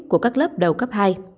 của các lớp đầu cấp hai